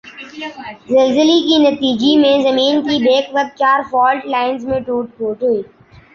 زلزلی کی نتیجی میں زمین کی بیک وقت چار فالٹ لائنز میں ٹوٹ پھوٹ ہوئی۔